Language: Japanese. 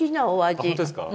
本当ですか？